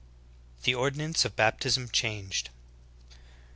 THE ORDINANCE OF BAPTISM CHANGED.